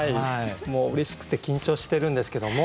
もううれしくて緊張してるんですけども。